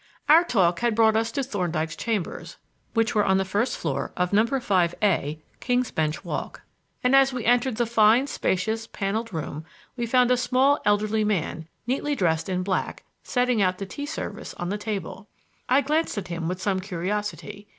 Our talk had brought us to Thorndyke's chambers, which were on the first floor of No. 5A, King's Bench Walk, and as we entered the fine, spacious, paneled room we found a small, elderly man, neatly dressed in black, setting out the tea service on the table. I glanced at him with some curiosity.